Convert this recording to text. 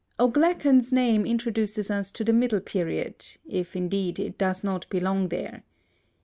O'Glacan's name introduces us to the middle period, if indeed it does not belong there.